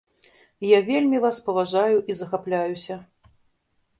Я вельмі вас паважаю і захапляюся.